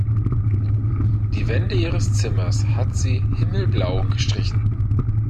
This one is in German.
Die Wände ihres Zimmers hat sie himmelblau gestrichen.